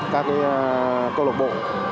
các cơ lộc bộ